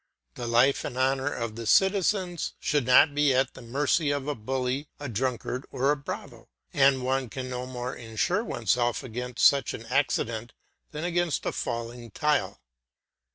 The life and honour of the citizens should not be at the mercy of a bully, a drunkard, or a bravo, and one can no more insure oneself against such an accident than against a falling tile.